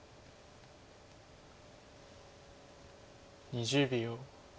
２０秒。